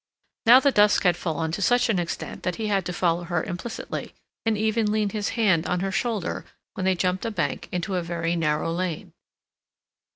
Now the dusk had fallen to such an extent that he had to follow her implicitly, and even lean his hand on her shoulder when they jumped a bank into a very narrow lane.